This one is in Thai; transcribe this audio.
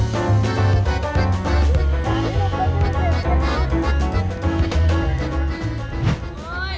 อยากให้ข้าวแม่งสงสัย